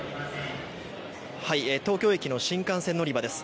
東京駅の新幹線乗り場です。